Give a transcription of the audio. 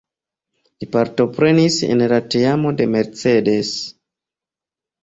Li partoprenis en la teamo de Mercedes.